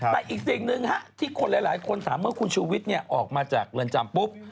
แต่อีกสิ่งหนึ่งที่คนหลายคนถามเมื่อคุณชูวิทย์ออกมาจากเรือนจำปุ๊บ